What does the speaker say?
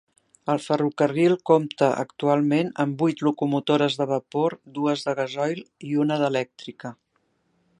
El ferrocarril compta actualment amb vuit locomotores de vapor, dues de gasoil i una d'elèctrica.